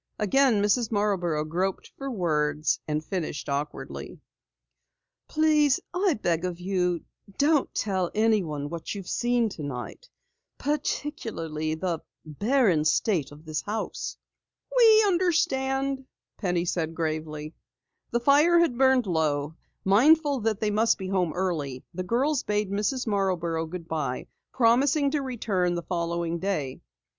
Again Mrs. Marborough groped for words and finished awkwardly: "Please, I beg of you, don't tell anyone what you have seen tonight, particularly the barren state of this house." "We understand," Penny said gravely. The fire had burned low. Mindful that they must be home early, the girls bade Mrs. Marborough goodbye, promising to return the following day.